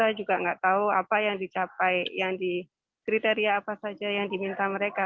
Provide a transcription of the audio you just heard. saya juga nggak tahu apa yang dicapai yang di kriteria apa saja yang diminta mereka